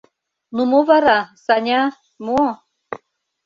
— Ну мо вара, Саня, мо?